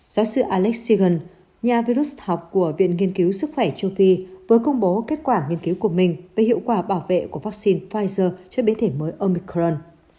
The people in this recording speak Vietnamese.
giáo sư alex seagan nhà virus học của viện nghiên cứu sức khỏe châu phi vừa công bố kết quả nghiên cứu của mình về hiệu quả bảo vệ của vaccine pfizer cho biến thể mới omicron